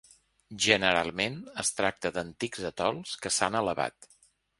Generalment es tracta d'antics atols que s'han elevat.